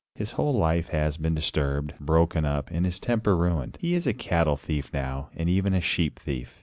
His whole life has been disturbed, broken up; and his temper ruined. He is a cattle thief now, and even a sheep thief.